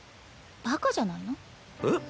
バカじゃないの。えっ？だっバッ。